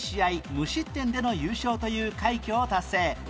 無失点での優勝という快挙を達成